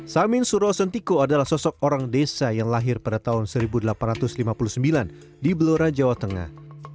samin surawasentiko adalah sosok orang desa yang lahir pada tahun seribu delapan ratus lima puluh sembilan di belora jawa tengah